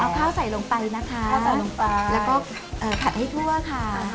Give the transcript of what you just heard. กินไพให้ลงไปนะคะและก็ผัดให้ทั่วค่ะ